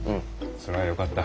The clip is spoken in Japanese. それはよかった。